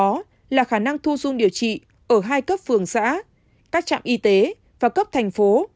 đó là khả năng thu dung điều trị ở hai cấp phường xã các trạm y tế và cấp thành phố